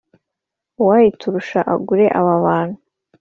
Uwayiturusha agure aba bantu!